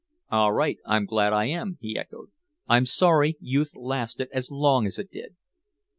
"All right, I'm glad I am," he echoed. "I'm sorry youth lasted as long as it did."